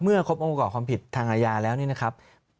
เมื่อครบอวกออกความผิดทางอายาแล้วนี่นะครับ